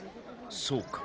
そうか。